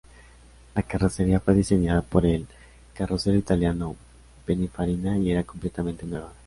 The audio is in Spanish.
La carrocería fue diseñada por el carrocero italiano Pininfarina y era completamente nueva.